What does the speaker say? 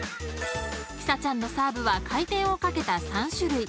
［日咲ちゃんのサーブは回転をかけた３種類］